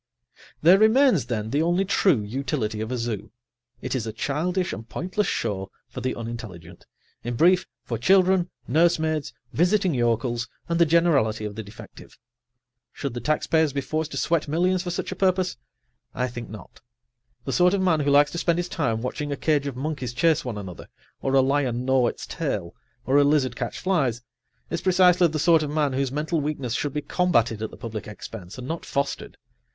There remains, then, the only true utility of a zoo: it is a childish and pointless show for the unintelligent, in brief, for children, nursemaids, visiting yokels and the generality of the defective. Should the taxpayers be forced to sweat millions for such a purpose? I think not. The sort of man who likes to spend his time watching a cage of monkeys chase one another, or a lion gnaw its tail, or a lizard catch flies, is precisely the sort of man whose mental weakness should be combatted at the public expense, and not fostered.